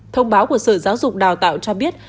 thông báo của sở giáo dục và đào tạo tp hcm cho biết